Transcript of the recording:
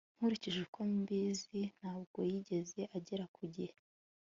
nkurikije uko mbizi, ntabwo yigeze agera ku gihe